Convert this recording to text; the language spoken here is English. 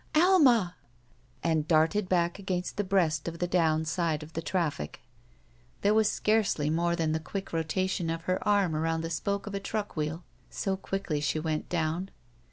Alma!" And darted back against the breast of the down side of the traffic. There was scarcely more than the quick rotation of her arm around with the spoke of a truck whed, so quickly she went down.